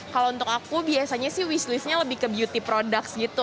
kalau untuk aku biasanya sih wishlist nya lebih ke beauty product